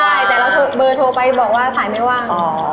ใช่แต่เราเบอร์โทรไปบอกว่าสายไม่ว่าง